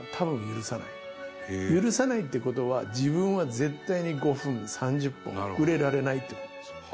許さないって事は自分は絶対に５分３０分遅れられないって事ですよ。